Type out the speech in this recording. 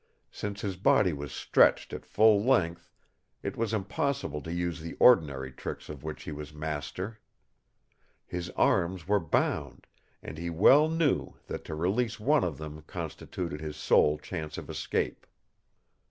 Since his body was stretched at full length, it was impossible to use the ordinary tricks of which he was master. His arms were bound, and he well knew that to release one of them constituted his sole chance of escape.